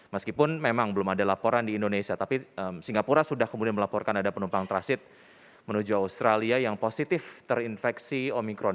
meskipun memang belum ada laporan di indonesia tapi singapura sudah kemudian melaporkan ada penumpang transit menuju australia yang positif terinfeksi omikron